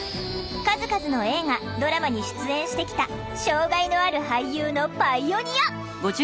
数々の映画ドラマに出演してきた障害のある俳優のパイオニア！